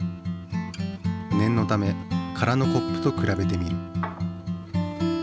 念のため空のコップとくらべてみる。